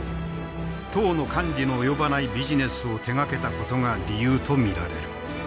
党の管理の及ばないビジネスを手がけたことが理由と見られる。